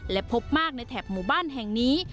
และพบมากในแถบหมู่บ้านแห่งนี้